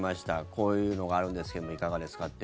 こういうのがあるんですけどもいかがですかって。